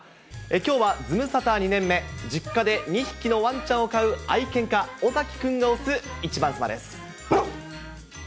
きょうはズムサタ２年目、実家で２匹のワンちゃんを飼う愛犬家、尾崎君が推す１番さまです。